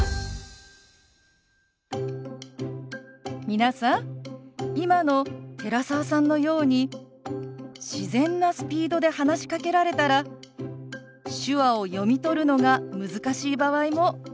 皆さん今の寺澤さんのように自然なスピードで話しかけられたら手話を読み取るのが難しい場合もありますよね。